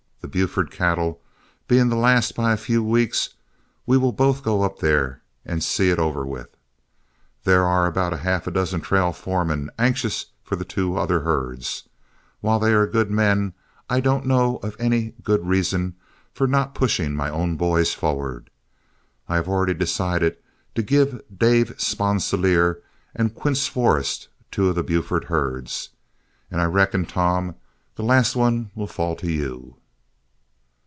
The Buford cattle, being the last by a few weeks, we will both go up there and see it over with. There are about half a dozen trail foremen anxious for the two other herds, and while they are good men, I don't know of any good reason for not pushing my own boys forward. I have already decided to give Dave Sponsilier and Quince Forrest two of the Buford herds, and I reckon, Tom, the last one will fall to you."